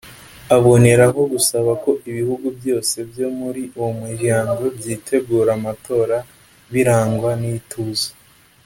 aboneraho gusaba ko ibihugu byose byo muri uwo muryango byitegura amatora birangwa n’ituze